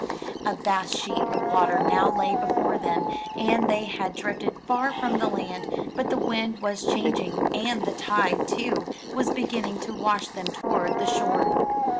A vast sheet of water now lay before them, and they had drifted far from the land; but the wind was changing, and the tide, too, was beginning to wash them toward the shore.